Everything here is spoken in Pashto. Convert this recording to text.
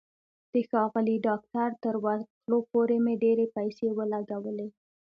د ښاغلي ډاکټر تر ورتلو پورې مې ډېرې پیسې ولګولې.